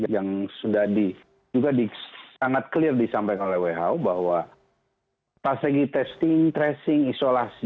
yang sudah juga sangat clear disampaikan oleh who bahwa strategi testing tracing isolasi